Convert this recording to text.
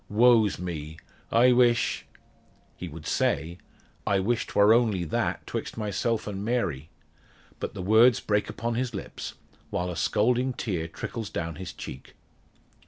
Woe's me! I weesh " He would say "I weesh 'twar only that 'twixt myself an' Mary," but the words break upon his lips, while a scalding tear trickles down his cheek.